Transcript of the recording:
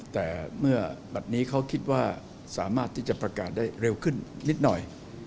แต่เมื่อบัตรนี้เขาคิดว่าสามารถที่จะประกาศได้เร็วขึ้นนิดหน่อย